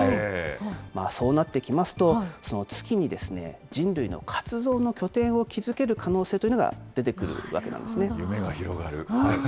そうなってきますと、月に人類の活動の拠点を築ける可能性というのが出てくるわけなん夢が広がる。